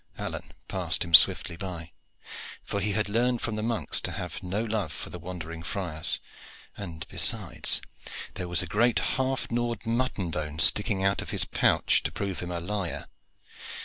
Alleyne passed him swiftly by, for he had learned from the monks to have no love for the wandering friars, and, besides, there was a great half gnawed mutton bone sticking out of his pouch to prove him a liar.